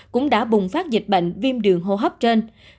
cũng đã bùng phát dịch bệnh viêm đường hô hấp trên